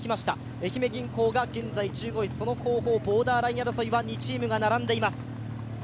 愛媛銀行が現在１５位、その後方、ボーダーライン争いは２チームが並んでいます。